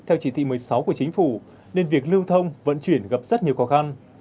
theo chỉ thị một mươi sáu của chính phủ nên việc lưu thông vận chuyển gặp rất nhiều khó khăn